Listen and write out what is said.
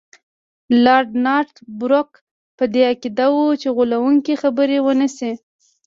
لارډ نارت بروک په دې عقیده وو چې غولونکي خبرې ونه شي.